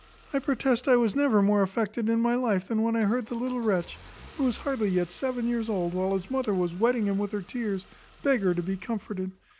I protest I was never more affected in my life than when I heard the little wretch, who is hardly yet seven years old, while his mother was wetting him with her tears, beg her to be comforted.